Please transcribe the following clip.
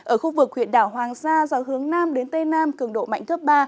ở khu vực huyện đảo hoàng sa do hướng nam đến tây nam cường độ mạnh thấp ba